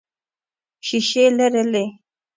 ښیښې لرلې.